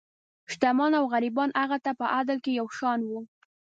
شتمن او غریبان هغه ته په عدل کې یو شان وو.